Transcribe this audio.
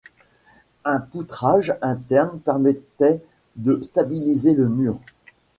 Un poutrage interne permettait de stabiliser le mur.